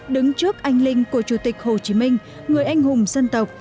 đứng trước anh linh của chủ tịch hồ chí minh người anh hùng dân tộc